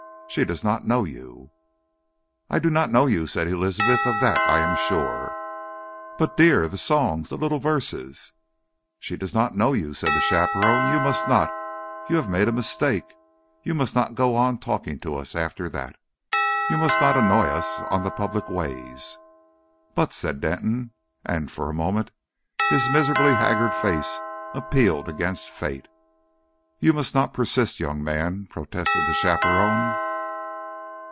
"She does not know you." "I do not know you," said Elizabeth. "Of that I am sure." "But, dear the songs the little verses " "She does not know you," said the chaperone. "You must not.... You have made a mistake. You must not go on talking to us after that. You must not annoy us on the public ways." "But " said Denton, and for a moment his miserably haggard face appealed against fate. "You must not persist, young man," protested the chaperone.